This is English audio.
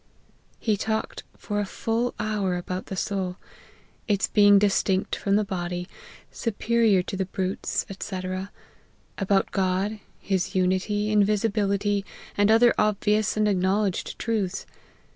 " He talked for a full hour about the soul : its be ing distinct from the body, superior to the brutes, &c. ; about God, his unity, invisibility, and other ob vious and acknowledged truths.